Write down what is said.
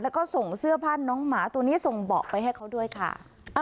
แล้วก็ส่งเสื้อผ้าน้องหมาตัวนี้ส่งเบาะไปให้เขาด้วยค่ะ